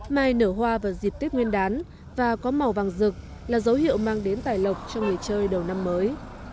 mai nở hoa vào dịp tết nguyên đán và có màu vàng rực là dấu hiệu mang đến tài lộc cho người chơi đầu năm mới